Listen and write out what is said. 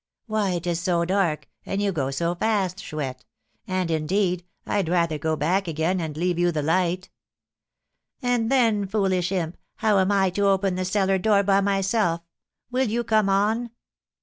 "Why, it is so dark; and you go so fast, Chouette! And, indeed, I'd rather go back again, and leave you the light." "And then, foolish imp, how am I to open the cellar door by myself? Will you come on?"